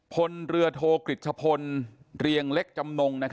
พลเรือโทกฤษพลเรียงเล็กจำนง